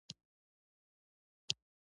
هغه په اسانۍ اساسي قانون تعدیل کړ.